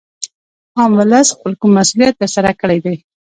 عام ولس خپل کوم مسولیت تر سره کړی دی